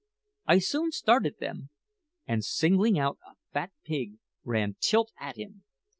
I soon started them, and singling out a fat pig, ran tilt at him.